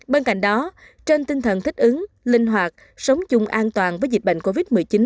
bên cạnh đó trên tinh thần thích ứng linh hoạt sống chung an toàn với dịch bệnh covid một mươi chín